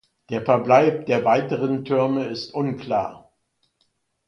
Der Verbleib der weiteren Türme ist unklar.